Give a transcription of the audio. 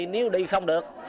nếu đi không được